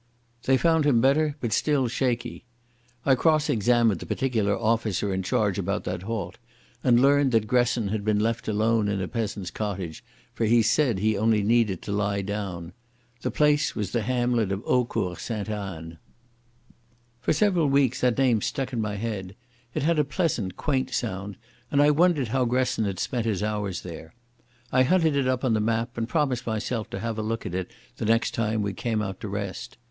They found him better, but still shaky. I cross examined the particular officer in charge about that halt, and learned that Gresson had been left alone in a peasant's cottage, for he said he only needed to lie down. The place was the hamlet of Eaucourt Sainte Anne. For several weeks that name stuck in my head. It had a pleasant, quaint sound, and I wondered how Gresson had spent his hours there. I hunted it up on the map, and promised myself to have a look at it the next time we came out to rest.